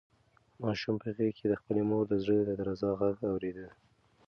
ماشوم په غېږ کې د خپلې مور د زړه د درزا غږ اورېده.